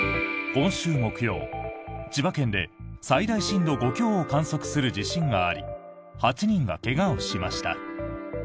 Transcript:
今週木曜、千葉県で最大震度５強を観測する地震があり８人が怪我をしました。